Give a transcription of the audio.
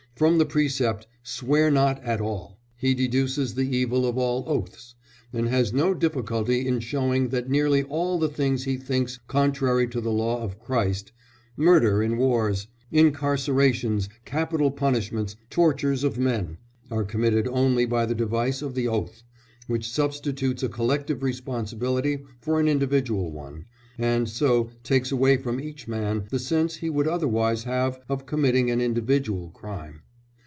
From the precept, "Swear not at all," he deduces the evil of all oaths, and has no difficulty in showing that nearly all the things he thinks contrary to the law of Christ, "murder in wars, incarcerations, capital punishments, tortures of men," are committed only by the device of the oath, which substitutes a collective responsibility for an individual one, and so takes away from each man the sense he would otherwise have of committing an individual crime.